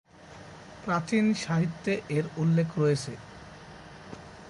প্রাচীন সাহিত্যে এর উল্লেখ রয়েছে।